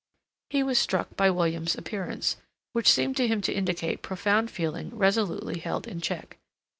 He was struck by William's appearance, which seemed to him to indicate profound feeling resolutely held in check.